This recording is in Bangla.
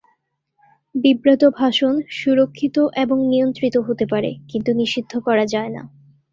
বিব্রত ভাষণ সুরক্ষিত এবং নিয়ন্ত্রিত হতে পারে কিন্তু নিষিদ্ধ করা যায়না।